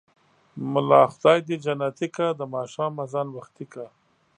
ملا خداى دى جنتې که ـ د ماښام ازان وختې که.